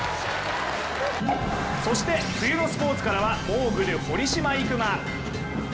そして冬のスポーツからはモーグル・堀島行真。